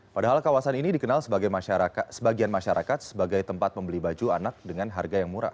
padahal kawasan ini dikenal sebagai sebagian masyarakat sebagai tempat membeli baju anak dengan harga yang murah